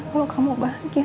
kalau kamu bahagia